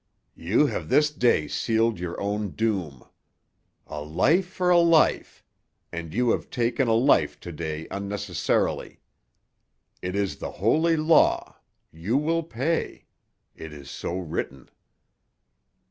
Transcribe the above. "You ha' this day sealed your own doom. A life for a life; and you have taken a life to day unnecessarily. It is the holy law; you will pay. It is so written."